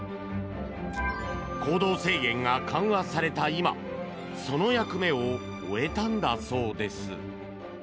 行動制限が緩和された今その役目を終えたんだそうです。